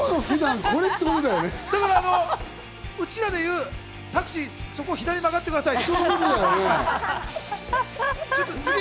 うちらで言うタクシー、そこ左曲がってください。